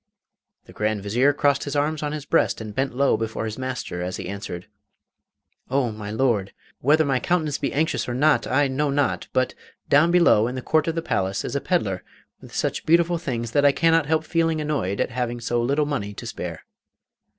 The Grand Vizier crossed his arms on his breast and bent low before his master as he answered: 'Oh, my Lord! whether my countenance be anxious or not I know not, but down below, in the court of the palace, is a pedlar with such beautiful things that I cannot help feeling annoyed at having so little money to spare.